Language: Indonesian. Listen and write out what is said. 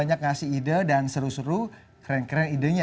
jadi ini ide dan seru seru keren keren idenya